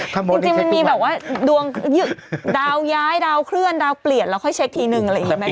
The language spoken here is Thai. จริงมันมีแบบว่าดวงดาวย้ายดาวเคลื่อนดาวเปลี่ยนแล้วค่อยเช็คทีนึงอะไรอย่างนี้ไหม